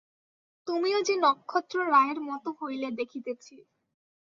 তুমিও যে নক্ষত্ররায়ের মতো হইলে দেখিতেছি।